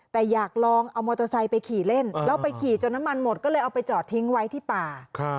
แต่อยากลองเอามอเตอร์ไซค์ไปขี่เล่นแล้วไปขี่จนน้ำมันหมดก็เลยเอาไปจอดทิ้งไว้ที่ป่า